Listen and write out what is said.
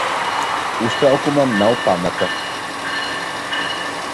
Uztraukumam nav pamata.